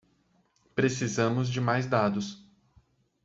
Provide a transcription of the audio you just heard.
Precisamos de mais dados.